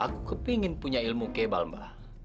aku kepengen punya ilmu kebal mbah